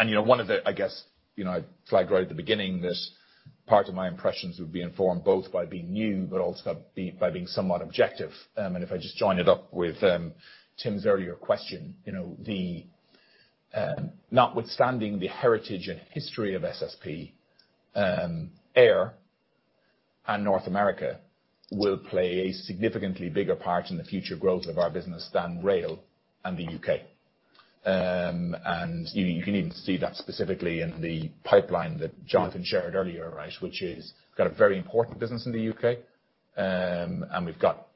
know, one of the, I guess, you know, I flagged right at the beginning that part of my impressions would be informed both by being new, but also by being somewhat objective. If I just join it up with Tim's earlier question, you know, the, notwithstanding the heritage and history of SSP, air and North America will play a significantly bigger part in the future growth of our business than rail and the UK. You can even see that specifically in the pipeline that Jonathan shared earlier, right? Which is, we've got a very important business in the UK,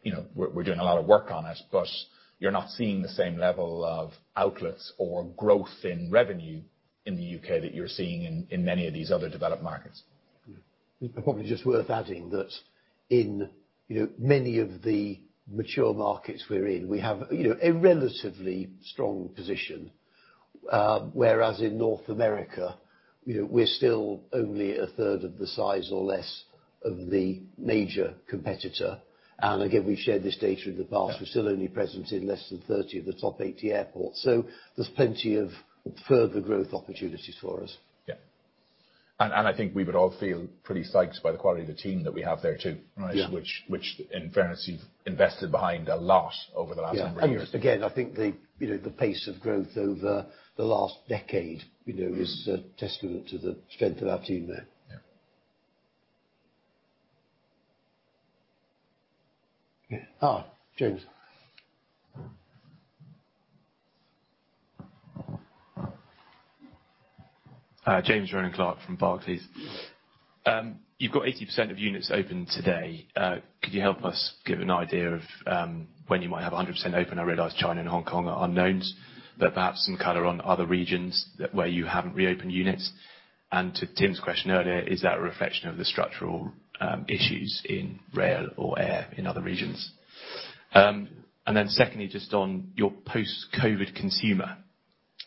you know, we're doing a lot of work on it, but you're not seeing the same level of outlets or growth in revenue in the UK that you're seeing in many of these other developed markets. Probably just worth adding that in, you know, many of the mature markets we're in, we have, you know, a relatively strong position, whereas in North America, you know, we're still only a third of the size or less of the major competitor. Again, we've shared this data in the past. Yeah. We're still only present in less than 30 of the top 80 airports. There's plenty of further growth opportunities for us. Yeah. I think we would all feel pretty psyched by the quality of the team that we have there too, right? Yeah. Which in fairness, you've invested behind a lot over the last number of years. Yeah. Again, I think, you know, the pace of growth over the last decade, you know, is a testament to the strength of our team there. Yeah. James. James Rowland Clark from Barclays. You've got 80% of units open today. Could you help us give an idea of when you might have 100% open? I realize China and Hong Kong are unknowns, but perhaps some color on other regions where you haven't reopened units. To Tim's question earlier, is that a reflection of the structural issues in rail or air in other regions? Then secondly, just on your post-COVID consumer.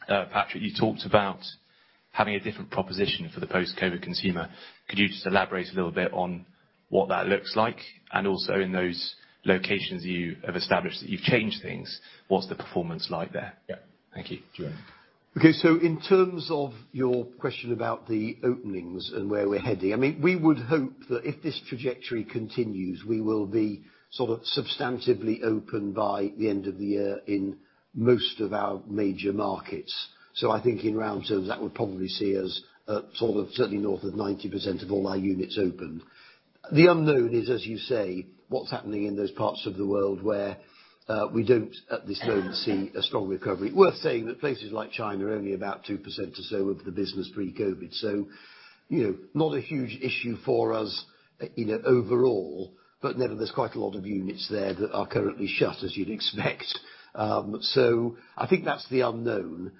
Patrick, you talked about having a different proposition for the post-COVID consumer. Could you just elaborate a little bit on what that looks like? Also in those locations you have established that you've changed things, what's the performance like there? Yeah. Thank you. Sure. Okay. In terms of your question about the openings and where we're heading, I mean, we would hope that if this trajectory continues, we will be sort of substantially open by the end of the year in most of our major markets. I think in round terms, that would probably see us at sort of certainly north of 90% of all our units open. The unknown is, as you say, what's happening in those parts of the world where we don't at this moment see a strong recovery. Worth saying that places like China are only about 2% or so of the business pre-COVID. You know, not a huge issue for us, you know, overall, but nevertheless, there's quite a lot of units there that are currently shut, as you'd expect. I think that's the unknown.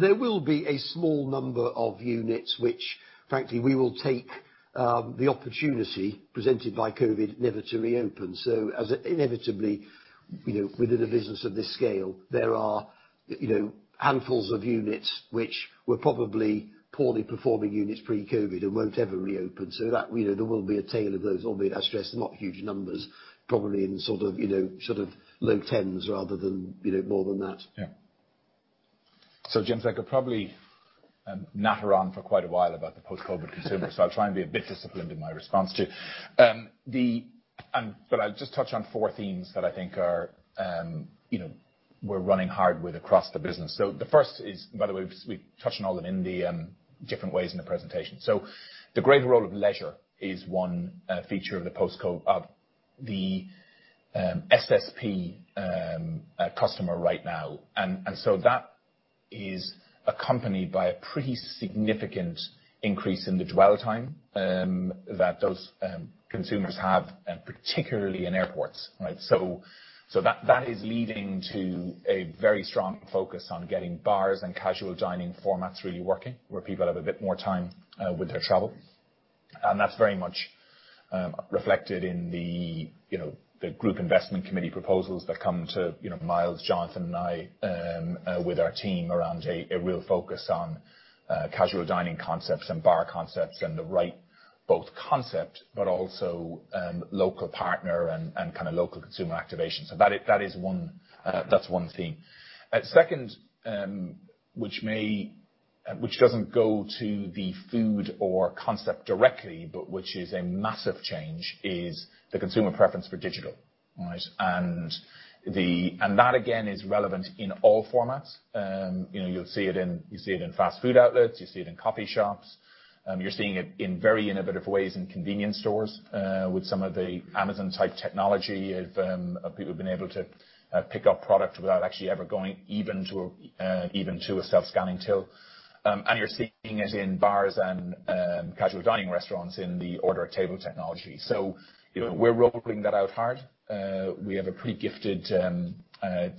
There will be a small number of units which frankly we will take the opportunity presented by COVID never to reopen. As inevitably, you know, within a business of this scale, there are, you know, handfuls of units which were probably poorly performing units pre-COVID and won't ever reopen. That you know, there will be a tail of those, albeit, I stress, not huge numbers, probably in sort of, you know, sort of low tens rather than, you know, more than that. Yeah. James, I could probably natter on for quite a while about the post-COVID consumer, so I'll try and be a bit disciplined in my response to you. I'll just touch on four themes that I think are, you know, we're running hard with across the business. The first is, by the way, we've touched on all of them in different ways in the presentation. The greater role of leisure is one feature of the post-COVID SSP customer right now. That is accompanied by a pretty significant increase in the dwell time that those consumers have, and particularly in airports, right? That is leading to a very strong focus on getting bars and casual dining formats really working, where people have a bit more time with their travel. That's very much reflected in the you know, the group investment committee proposals that come to you know, Miles, Jonathan and I with our team around a real focus on casual dining concepts and bar concepts and the right both concept but also local partner and kinda local consumer activation. That is one theme. Second, which doesn't go to the food or concept directly, but which is a massive change, is the consumer preference for digital. Right? And that again is relevant in all formats. You know, you'll see it in, you see it in fast food outlets, you see it in coffee shops. You're seeing it in very innovative ways in convenience stores with some of the Amazon-type technology of people being able to pick up product without actually ever going even to a self-scanning till. You're seeing it in bars and casual dining restaurants in the order-at-table technology. You know, we're rolling that out hard. We have a pretty gifted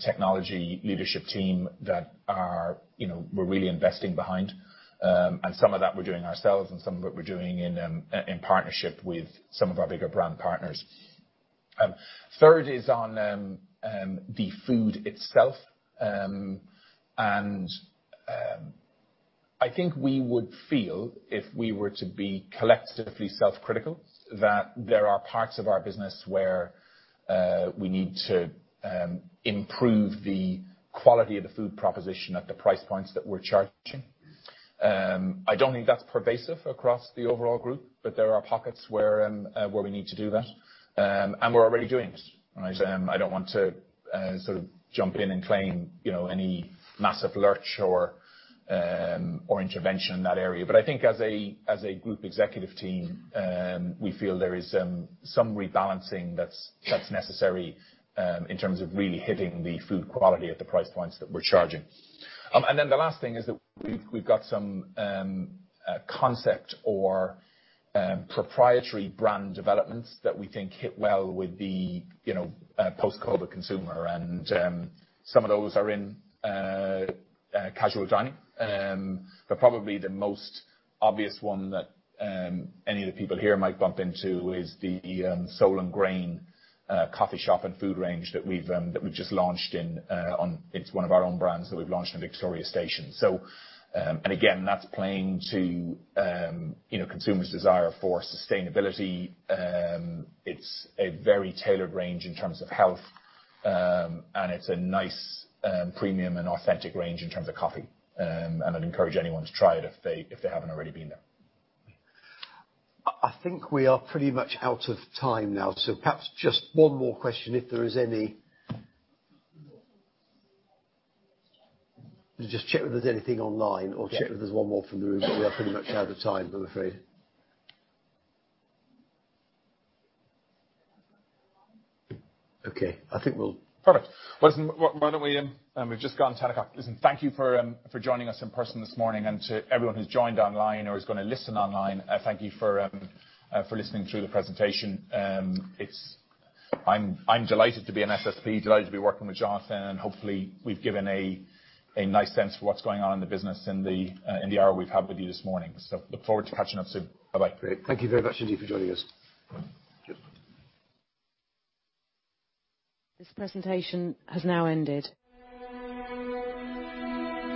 technology leadership team that are, you know, we're really investing behind. Some of that we're doing ourselves and some of it we're doing in partnership with some of our bigger brand partners. Third is on the food itself. I think we would feel if we were to be collectively self-critical, that there are parts of our business where we need to improve the quality of the food proposition at the price points that we're charging. I don't think that's pervasive across the overall group, but there are pockets where we need to do that. We're already doing it. Right. I don't want to sort of jump in and claim, you know, any massive lurch or intervention in that area. I think as a group executive team, we feel there is some rebalancing that's necessary in terms of really hitting the food quality at the price points that we're charging. Then the last thing is that we've got some proprietary brand developments that we think hit well with the you know post-COVID consumer. Some of those are in casual dining. But probably the most obvious one that any of the people here might bump into is the Soul + Grain coffee shop and food range that we've just launched in Victoria Station. It's one of our own brands that we've launched in Victoria Station. Again, that's playing to you know consumers' desire for sustainability. It's a very tailored range in terms of health, and it's a nice premium and authentic range in terms of coffee. I'd encourage anyone to try it if they haven't already been there. I think we are pretty much out of time now, so perhaps just one more question, if there is any. Just check if there's anything online or check if there's one more from the room, but we are pretty much out of time, I'm afraid. Okay. I think we'll. Perfect. Listen, why don't we. We've just gone 10 o'clock. Listen, thank you for joining us in person this morning, and to everyone who's joined online or is gonna listen online, thank you for listening through the presentation. I'm delighted to be in SSP, delighted to be working with Jonathan, and hopefully we've given a nice sense for what's going on in the business in the hour we've had with you this morning. Look forward to catching up soon. Bye-bye. Great. Thank you very much indeed for joining us. Cheers. This presentation has now ended.